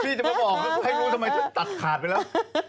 จะมาบอกให้รู้ทำไมฉันตัดขาดไปแล้ว